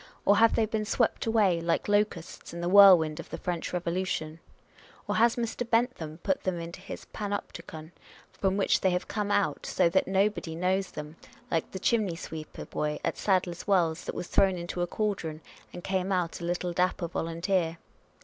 Or have they been swept away, like locusts, in the whirlwind of the French Eevolution ? Or has Mr. Bentham put them into his Panopticon ; from which they have come out, so that nobody knows them, like the chimney sweeper boy at Sadler's Wells, that was thrown into a cauldron and came out a little dapper volunteer